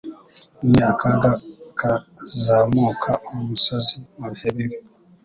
Ni akaga kuzamuka umusozi mubihe bibi.